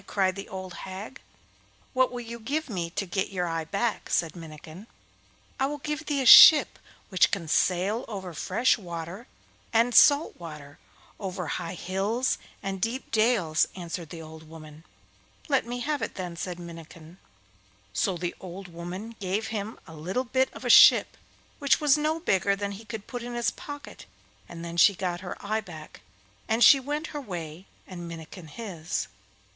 cried the old hag. 'What will you give me to get your eye back?' said Minnikin. 'I will give thee a ship which can sail over fresh water and salt water, over high hills and deep dales,' answered the old woman. 'Let me have it then,' said Minnikin. So the old woman gave him a little bit of a ship which was no bigger than he could put in his pocket, and then she got her eye back, and she went her way and Minnikin his.